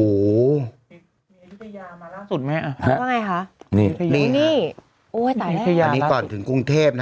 โอ้โหว่าไงคะนี่นี่โอ้ยตายอันนี้ก่อนถึงกรุงเทพนะ